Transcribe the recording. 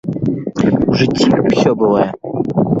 У жыцці ўсё бывае.